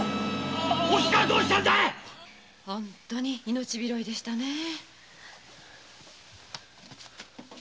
本当に命拾いでしたねぇ。